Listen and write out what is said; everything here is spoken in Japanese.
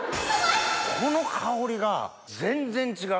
この香りが全然違う。